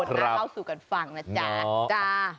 ครับมาเล่าสู่กันฟังนะจ๊ะจ๊ะ